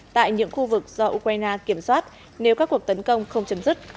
tại những khu vực do ukraine kiểm soát nếu các cuộc tấn công không chấm dứt